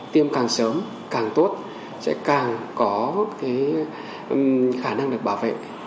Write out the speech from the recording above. tiêm càng sớm càng tốt sẽ càng có khả năng được bảo vệ